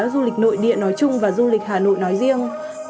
du lịch nội địa nói chung và du lịch hà nội nói riêng